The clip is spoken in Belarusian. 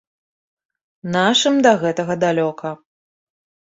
Нашым да гэтага далёка.